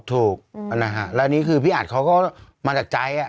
ถูกนะฮะและนี่คือพี่อาจเขาก็มาจากใจ